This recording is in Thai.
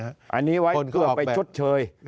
อันนี้ไว้เพื่อไปชดเชย